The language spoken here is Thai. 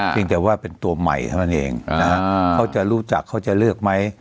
แต่ว่าเป็นตัวใหม่เท่านั้นเองนะฮะเขาจะรู้จักเขาจะเลือกไหม